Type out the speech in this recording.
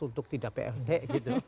untuk tidak plt gitu